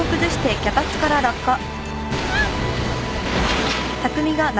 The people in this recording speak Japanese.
あっ！